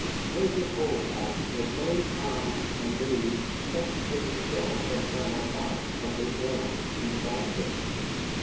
Major Colfax had made Tom and me sup with himself and Colonel Clark at the inn in Danville.